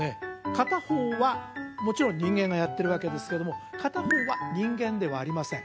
片方はもちろん人間がやってるわけですけども片方は人間ではありません